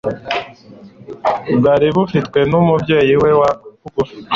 bwari bufitwe n'umubyeyi we wa bugufi.